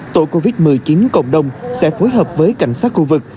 tổ covid một mươi chín cộng đồng sẽ phối hợp với cảnh sát khu vực